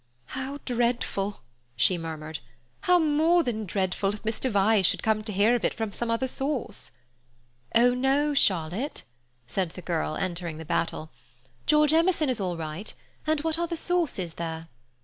"How dreadful!" she murmured, "how more than dreadful, if Mr. Vyse should come to hear of it from some other source." "Oh, no, Charlotte," said the girl, entering the battle. "George Emerson is all right, and what other source is there?"